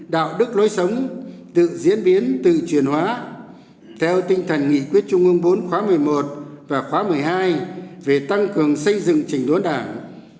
đạo đức lối sống tự diễn biến tự truyền hóa theo tinh thần nghị quyết trung ương bốn khóa một mươi một và khóa một mươi hai về tăng cường xây dựng trình đốn đảng